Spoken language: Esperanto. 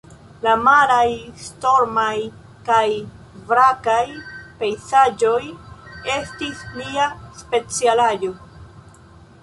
La maraj, stormaj kaj vrakaj pejzaĝoj estis lia specialaĵo.